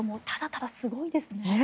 ただただすごいですね。